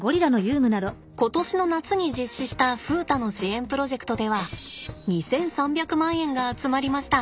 今年の夏に実施した風太の支援プロジェクトでは２，３００万円が集まりました。